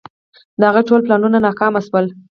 د هغه ټول پلانونه ناکام شول.